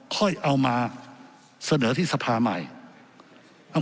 ค่อยเอามาเสนอที่สภาใหม่เอา